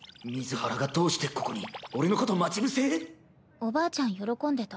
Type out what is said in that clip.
おばあちゃん喜んでた。